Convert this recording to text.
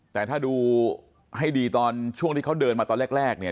แต่ถ้าดูให้ดีตอนช่วงที่เขาเดินมาตอนแรกเนี่ย